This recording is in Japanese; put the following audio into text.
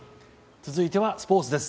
続いてはスポーツです。